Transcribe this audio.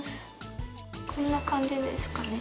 こんな感じですかね。